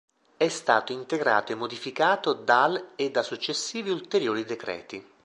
È stato integrato e modificato dal e da successivi ulteriori decreti.